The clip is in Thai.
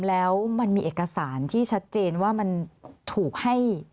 แล้วมันมีเอกสารที่ชัดเจนว่ามันถูกให้